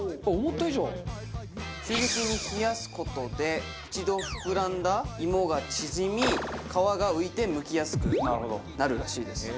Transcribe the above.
急激に冷やす事で一度膨らんだ芋が縮み皮が浮いてむきやすくなるらしいです。